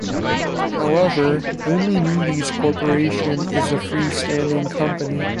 However, only Moody's Corporation is a free-standing company.